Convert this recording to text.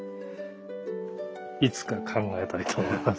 いつか考えたいと思います。